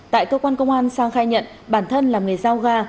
tại cơ quan công an sang khai nhận bản thân là người giao ga